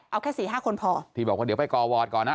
เอาแค่สี่ห้าคนพอที่บอกว่าเดี๋ยวไปก่อวอร์ดก่อนนะ